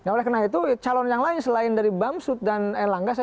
oleh karena itu calon yang lain selain dari bamsud dan erlangga